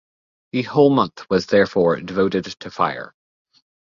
The whole month was therefore devoted to fire.